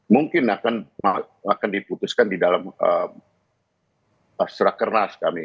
mungkin akan diputuskan di dalam pas rakernas kami